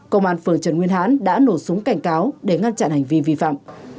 công an phường trần nguyên hán đã nổ súng cảnh cáo để ngăn chặn hành vi vi phạm